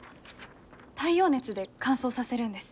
太陽熱で乾燥させるんです。